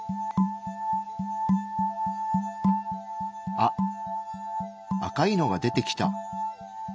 あ赤いのが出てきた。